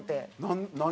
何？